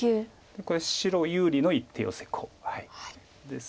これ白有利の一手ヨセコウですので。